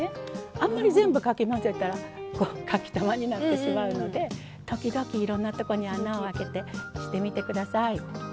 あんまり全部かき混ぜたらこうかきたまになってしまうので時々いろんなとこに穴を開けてしてみて下さい。